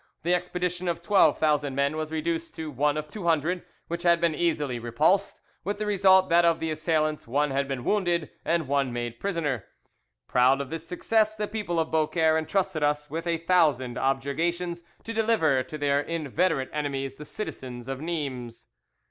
The expedition of twelve thousand men was reduced to one of two hundred, which had been easily repulsed, with the result that of the assailants one had been wounded and one made prisoner. Proud of this success, the people of Beaucaire entrusted us with a thousand objurgations to deliver to their inveterate enemies the citizens of Nimes.